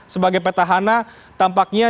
sebagai petahana tampaknya